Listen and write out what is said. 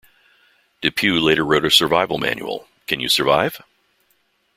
DePugh later wrote a survival manual, Can You Survive?